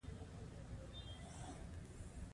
پنځه اویایم سوال د پلانګذارۍ اصلونه دي.